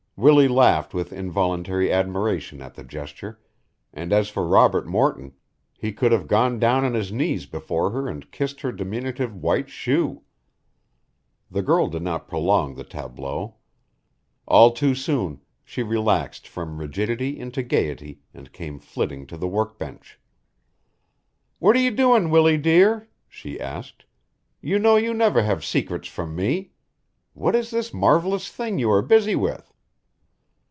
Willie laughed with involuntary admiration at the gesture, and as for Robert Morton he could have gone down on his knees before her and kissed her diminutive white shoe. The girl did not prolong the tableau. All too soon she relaxed from rigidity into gaiety and came flitting to the work bench. "What are you doing, Willie dear?" she asked. "You know you never have secrets from me. What is this marvellous thing you are busy with?"